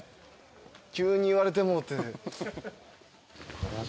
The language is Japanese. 急に言われてもって。